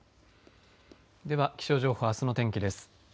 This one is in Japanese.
では気象情報あすの天気です。